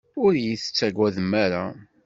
Ur iyi-tettagadem ara.